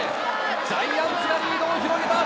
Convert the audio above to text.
ジャイアンツがリードを広げた！